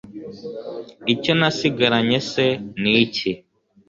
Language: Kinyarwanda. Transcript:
icyo nasigaranye se ni iki